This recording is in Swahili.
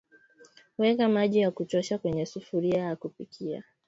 Weka maji ya kutosha kwenye sufuria ya kupikia